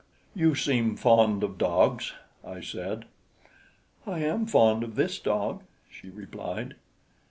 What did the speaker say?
"You seem fond of dogs," I said. "I am fond of this dog," she replied.